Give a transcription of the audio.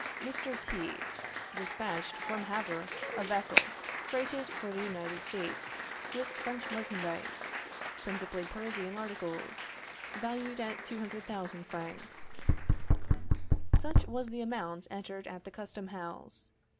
Mr. T... despatched from Havre a vessel, freighted, for the United States, with French merchandise, principally Parisian articles, valued at 200,000 francs. Such was the amount entered at the custom house.